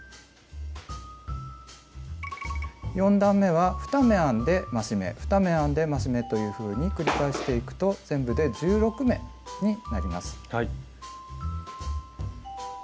４段めは２目編んで増し目２目編んで増し目というふうに繰り返していくと全部で１６目になります。